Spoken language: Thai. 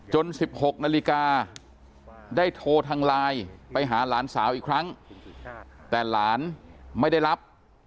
๑๖นาฬิกาได้โทรทางไลน์ไปหาหลานสาวอีกครั้งแต่หลานไม่ได้รับ